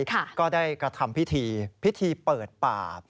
ก็ได้กระทำพิธีพิธีเปิดป่า